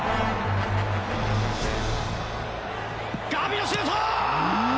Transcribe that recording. ガビのシュート！